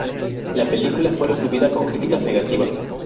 La película fue recibida con críticas negativas.